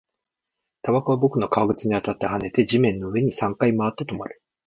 タバコは僕の革靴に当たって、跳ねて、地面の上に転がり、三回回って、止まる